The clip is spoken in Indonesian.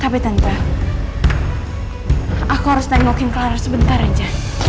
tapi tante aku harus nengokin clara sebentar aja